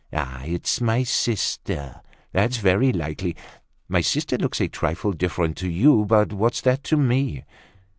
"Ah! it's my sister! That's very likely. My sister looks a trifle different to you; but what's that to me?